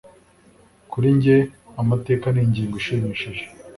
Kuri njye, amateka ni ingingo ishimishije.